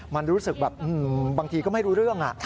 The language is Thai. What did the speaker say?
มันรู้สึกแบบบางทีก็ไม่รู้เรื่อง